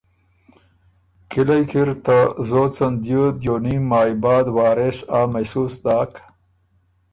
کلِئ کی ر ته زوځن دیو دیوونیم مایٛ بعد وارث آ محسوس داک